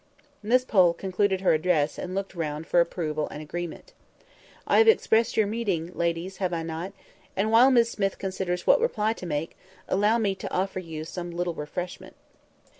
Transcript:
Miss Pole concluded her address, and looked round for approval and agreement. "I have expressed your meaning, ladies, have I not? And while Miss Smith considers what reply to make, allow me to offer you some little refreshment."